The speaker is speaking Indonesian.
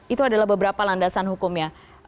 itu adalah beberapa landasan hukumnya